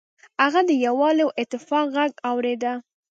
هغه د یووالي او اتفاق غږ اوریده.